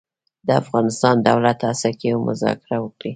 د افغانستان دولت هڅه کوي مذاکره وکړي.